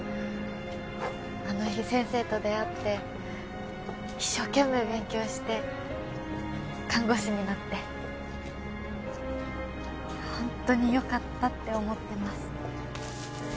あの日先生と出会って一生懸命勉強して看護師になってホントによかったって思ってます